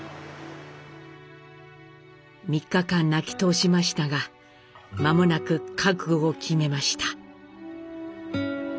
３日間泣き通しましたが間もなく覚悟を決めました。